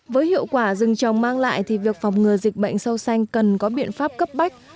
với hiệu quả rừng trồng mang lại thì việc phòng ngừa dịch bệnh sâu xanh cần có biện pháp cấp bách